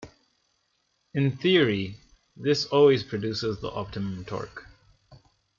In theory, this always produces the optimum torque.